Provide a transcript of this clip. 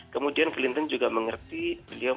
kemudian clinton juga mengerti beliau mendapatkan kekuatan